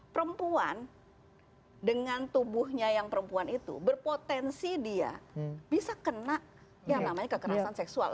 perempuan dengan tubuhnya yang perempuan itu berpotensi dia bisa kena yang namanya kekerasan seksual